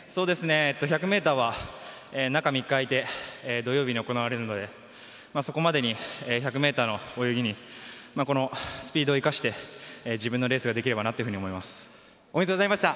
１００ｍは中３日空いて、土曜日に行われるのでそこまでに１００ｍの泳ぎにスピードを生かして自分のレースがおめでとうございました。